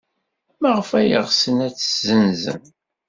Maɣef ay ɣsen ad tt-ssenzen?